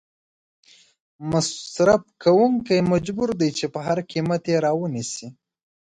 مصرف کوونکې مجبور دي چې په هر قیمت یې را ونیسي.